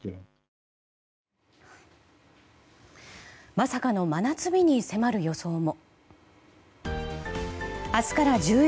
まさかの真夏日に迫る予想も。